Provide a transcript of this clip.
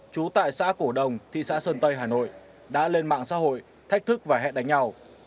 trú tại xã cổ đồng thị xã sơn tây hà nội đã lên mạng xã hội thách thức và hẹn đánh nhau